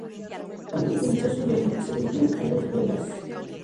Antes de comenzar su viaje, se desvían a Las Vegas.